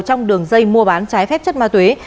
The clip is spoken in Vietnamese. trong đường dây mua bán trái phép chất ma túy